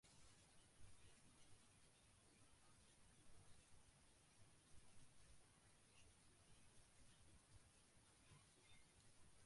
Wikimedia ফাউন্ডেশনের trustee board ফাউন্ডেশনের সমস্ত অর্থনৈতিক বিষয়গুলির চূড়ান্ত কর্তৃত্ব বহন করে।